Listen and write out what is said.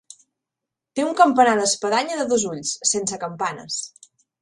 Té un campanar d'espadanya de dos ulls, sense campanes.